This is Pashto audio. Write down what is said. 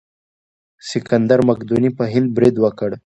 سکندر مقدوني په هند برید وکړ.